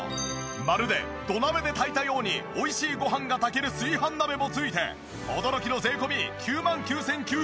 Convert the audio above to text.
まるで土鍋で炊いたように美味しいご飯が炊ける炊飯鍋も付いて驚きの税込９万９９００円。